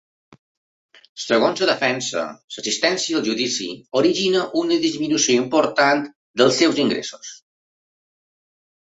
Segons la defensa, l’assistència al judici origina una ‘disminució important’ dels seus ingressos.